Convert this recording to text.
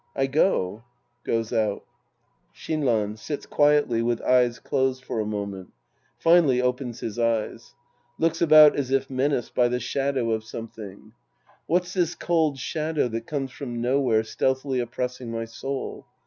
I go. {Goes out.) 226 The Priest and His Disciples Act VI Shinran {sits quietly tvith eyes closed for a moment. Finally opens his eyes. Looks about as if menaced by the shadow of something^ What's this cold shadow that comes from nowhere stealthily oppressing my soul?